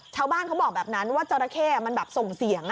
ชาวบ้านเขาบอกแบบนั้นว่าจราเข้มันส่งเสียง